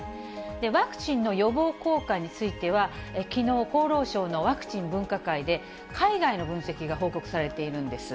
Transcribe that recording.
ワクチンの予防効果については、きのう、厚労省のワクチン分科会で、海外の分析が報告されているんです。